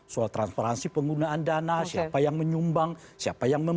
soal transparansi penggunaan dana siapa yang memiliki apa yang tidak